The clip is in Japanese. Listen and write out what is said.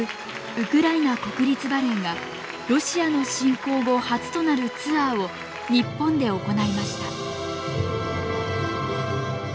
ウクライナ国立バレエがロシアの侵攻後初となるツアーを日本で行いました。